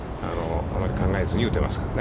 あまり考えずに打てますからね。